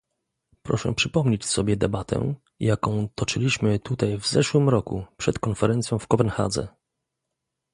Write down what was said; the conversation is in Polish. Proszę przypomnieć sobie debatę, jaką toczyliśmy tutaj w zeszłym roku, przed konferencją w Kopenhadze